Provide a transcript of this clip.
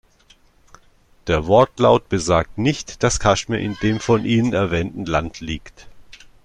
Der Wortlaut besagt nicht, dass Kaschmir in dem von Ihnen erwähnten Land liegt.